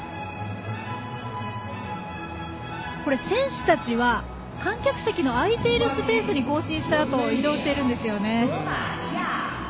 選手たちは、観客席の空いているスペースに行進したあと移動しているんですね。